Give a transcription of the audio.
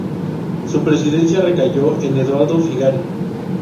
Su presidencia recayó en Eduardo Figari.